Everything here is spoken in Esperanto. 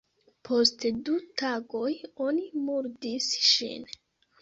Post du tagoj, oni murdis ŝin.